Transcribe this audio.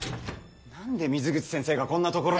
何で水口先生がこんなところに。